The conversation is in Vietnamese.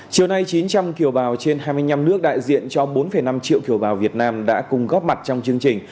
chiều nay chín trăm linh kiều bào trên hai mươi năm nước đại diện cho bốn năm triệu kiều bào việt nam đã cùng góp mặt trong chương trình